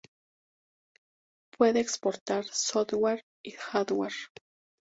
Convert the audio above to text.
Puede exportar software y hardware.